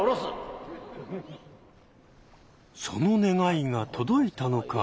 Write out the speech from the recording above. その願いが届いたのか。